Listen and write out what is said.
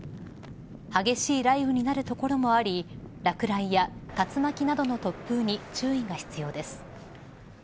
激しい雷雨になる所もあり落雷や竜巻などの突風に注意が必要です。